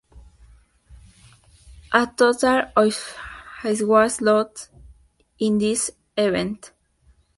A total of of ice was lost in this event.